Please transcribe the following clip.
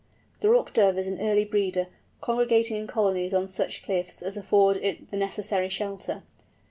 The Rock Dove is an early breeder, congregating in colonies on such cliffs as afford it the necessary shelter.